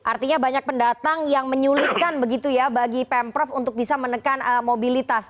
artinya banyak pendatang yang menyulitkan begitu ya bagi pemprov untuk bisa menekan mobilitas